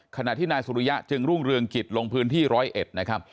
ขณะที่นายสุริยะจึงรุ่งเรืองกิจลงพื้นที่ร้อยเอ็ดนะครับ